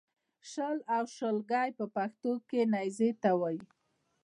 شل او شلګی په پښتو کې نېزې ته وایې